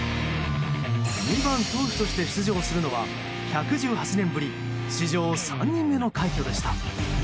２番、投手として出場するのは１１８年ぶり史上３人目の快挙でした。